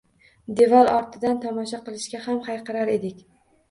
Devor ortidan tomosha qilishga ham hayiqar edik.